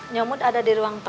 nyomot ada di ruang tengah tuan